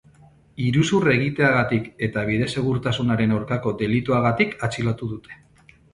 Iruzur egiteagatik eta bide-segurtasunaren aurkako delituagatik atxilotu dute.